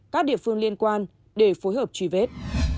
các địa phương liên quan để phối hợp truy vết